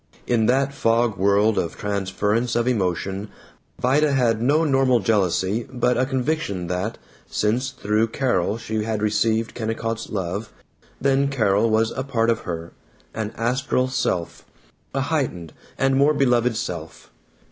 In that fog world of transference of emotion Vida had no normal jealousy but a conviction that, since through Carol she had received Kennicott's love, then Carol was a part of her, an astral self, a heightened and more beloved self.